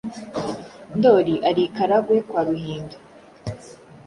Ndoli ari i Karagwe kwa Ruhinda,